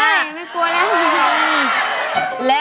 ใช่ไม่กลัวแล้ว